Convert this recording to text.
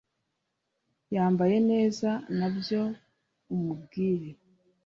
yambaye neza nabyo umubwire